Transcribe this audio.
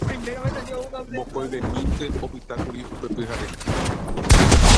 Mokõivemínte opytákuri upe pyhare.